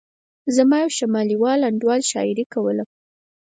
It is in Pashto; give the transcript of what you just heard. زما یو شمالي وال انډیوال شاعري کوله.